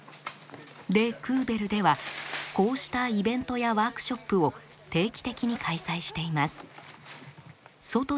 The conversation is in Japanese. デ・クーベルではこうしたイベントやワークショップを定期的に開催しています。